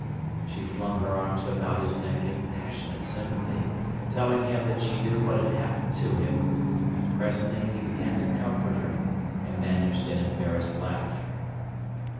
She flung her arms about his neck in passionate sympathy, telling him that she knew what had happened to him; and presently he began to comfort her and managed an embarrassed laugh.